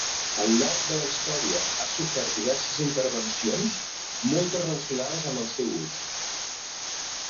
Al llarg de la història ha sofert diverses intervencions, moltes relacionades amb el seu ús.